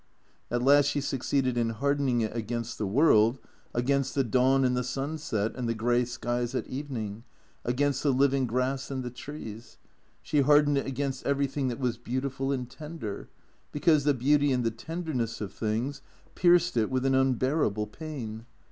At last she succeeded in hardening it against the world, against the dawn and the sunset, and the grey skies at evening, against the living grass and the trees; she hardened it against everything that was beautiful and tender, because the beauty and the tenderness of things pierced it with an unbearable pain.